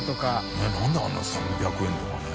ねぇなんであんな３００円とかね。